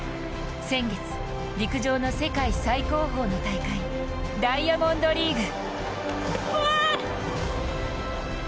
先月、陸上の世界最高峰の大会ダイヤモンドリーグ。